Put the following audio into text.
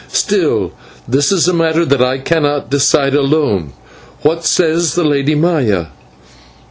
Still, this is a matter that I cannot decide alone. What says the Lady Maya?"